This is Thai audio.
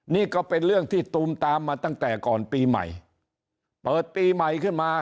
นี่ก็เป็นเรื่องที่ตูมตามมาตั้งแต่ก่อนปีใหม่เปิดปีใหม่ขึ้นมา